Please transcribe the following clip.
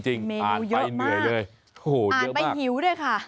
เมนูเยอะมากอ่านไปเหนื่อยเลยโอ้โหเยอะมากอ่านไปหิวด้วยค่ะ